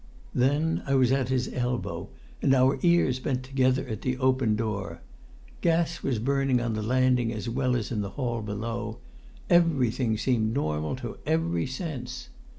Then I was at his elbow, and our ears bent together at the open door. Gas was burning on the landing as well as in the hall below; everything seemed normal to every sense.